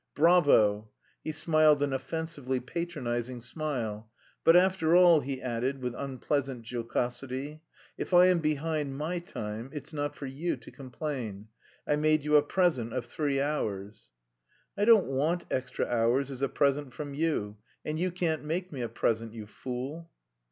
Bravo!" He smiled an offensively patronising smile. "But, after all," he added with unpleasant jocosity, "if I am behind my time, it's not for you to complain: I made you a present of three hours." "I don't want extra hours as a present from you, and you can't make me a present... you fool!"